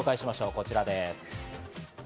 こちらです。